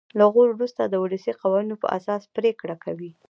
له غور وروسته د ولسي قوانینو په اساس پرېکړه کوي.